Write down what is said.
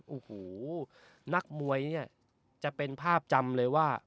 โอ้โหนักมวยเนี่ยจะเป็นภาพจำเลยว่า